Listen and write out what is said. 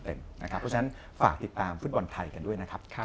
เพราะฉะนั้นฝากติดตามฟุตบอลไทยกันด้วยนะครับ